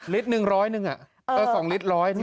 ลิตรนึงร้อยนึงอ่ะเออ๒ลิตรร้อยนึง